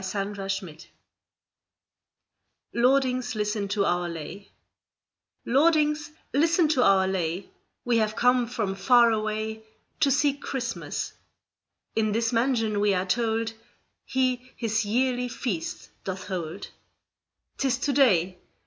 William Morris LORDINGS, LISTEN TO OUR LAY Lordings, listen to our lay We have come from far away To seek Christmas; In this mansion we are told He His yearly feast doth hold: 'Tis to day!